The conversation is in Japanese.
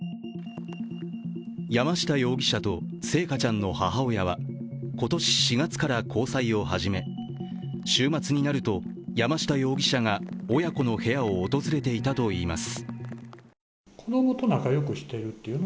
山下容疑者と星華ちゃんの母親は今年４月から交際を始め週末になると、山下容疑者が親子の部屋を訪れていたといいます。